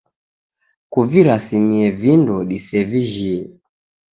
Kuvirasimie vindo disevijhie.